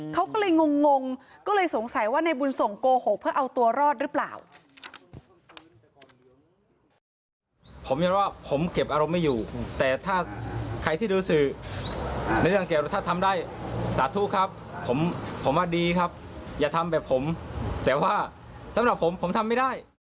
เขาก็เลยงงก็เลยสงสัยว่านายบุญส่งโกหกเพื่อเอาตัวรอดหรือเปล่า